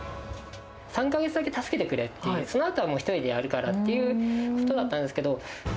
３か月だけ助けてくれっていう、そのあとはもう１人でやるからっていうことだったんですけど。